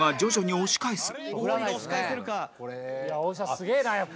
すげえなやっぱ。